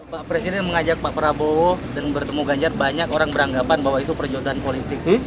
pak presiden mengajak pak prabowo dan bertemu ganjar banyak orang beranggapan bahwa itu perjodohan politik